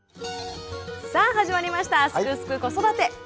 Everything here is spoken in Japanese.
さあ始まりました「すくすく子育て」。